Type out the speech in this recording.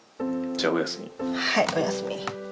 はいおやすみ。